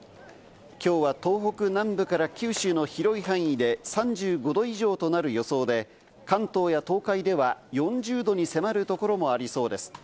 きょうは東北南部から九州の広い範囲で３５度以上となる予想で、関東や東海では４０度に迫るところもありそうです。